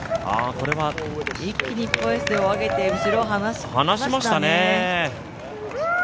これは一気にペースを上げて後ろを離しましたね。